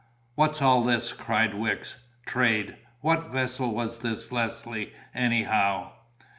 "What's all this?" cried Wicks. "Trade? What vessel was this Leslie, anyhow?"